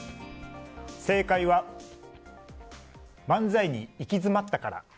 正解は漫才に行き詰まったから。